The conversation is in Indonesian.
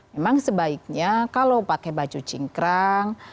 memang sebaiknya kalau pakai baju cingkrang